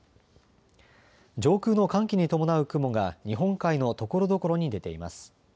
上空の寒気に伴う雲が日本海のところどころに出ています。